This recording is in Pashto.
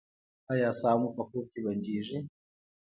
ایا ساه مو په خوب کې بندیږي؟